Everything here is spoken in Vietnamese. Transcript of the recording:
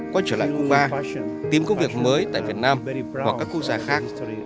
quay trở lại cuba tìm công việc mới tại việt nam hoặc các quốc gia khác